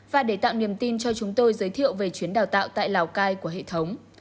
và để tạo niềm tin cho chúng tôi giới thiệu về chuyến đào tạo tại lào cai của hệ thống